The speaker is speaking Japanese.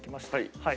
はい！